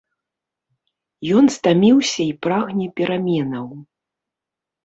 Ён стаміўся і прагне пераменаў.